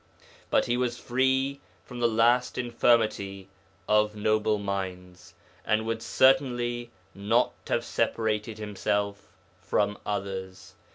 But he was free from the last infirmity of noble minds, and would certainly not have separated himself from others.